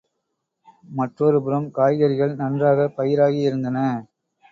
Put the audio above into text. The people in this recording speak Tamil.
மற்றொரு புறம் காய்கறிகள் நன்றாகப் பயிராகியிருந்தன.